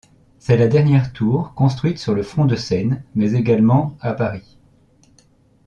C'est la dernière tour construite sur le Front-de-Seine mais également à Paris.